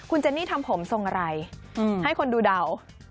คุณเจนนี่ทำผมทรงอะไรให้คนดูเดา